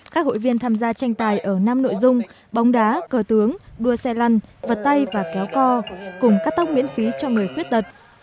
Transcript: các hội viên tham gia tranh tài ở năm nội dung bóng đá cờ tướng đua xe lăn vật tay và kéo co cùng cắt tóc miễn phí cho người khuyết tật